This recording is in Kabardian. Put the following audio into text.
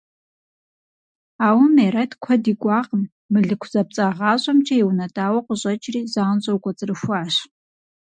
Ауэ Мерэт куэд икӀуакъым: мылыку зэпцӀагъащӀэмкӀэ иунэтӀауэ къыщӀэкӀри занщӀэу кӀуэцӀрыхуащ.